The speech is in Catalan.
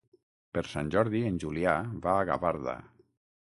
Per Sant Jordi en Julià va a Gavarda.